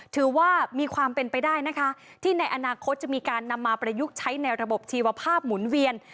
ถือว่ามีความเป็นไปได้นะคะที่ในอนาคตจะมีการนำมาประยุกต์ใช้ในระบบชีวภาพหมุนเวียน